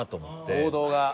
王道が。